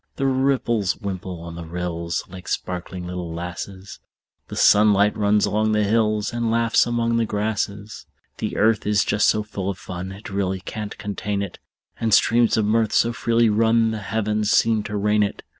The ripples wimple on the rills, Like sparkling little lasses; The sunlight runs along the hills, And laughs among the grasses. The earth is just so full of fun It really can't contain it; And streams of mirth so freely run The heavens seem to rain it.